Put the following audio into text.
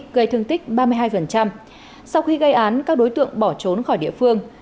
gây thương tích ba mươi hai sau khi gây án các đối tượng bỏ trốn khỏi địa phương